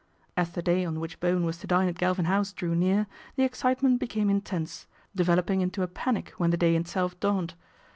As the day on which Bowen was to dine ail Galvin House drew near, the excitement becam( intense, developing into a panic when the daj itself dawned.